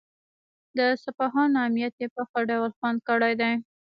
د سیاحانو امنیت یې په ښه ډول خوندي کړی دی.